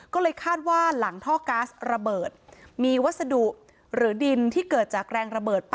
ก็เลยคาดว่าหลังท่อก๊าซระเบิดมีวัสดุหรือดินที่เกิดจากแรงระเบิด